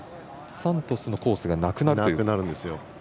サントスのコースがなくなるんですよ。